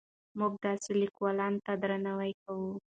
موږ داسې لیکوالانو ته درناوی کوو.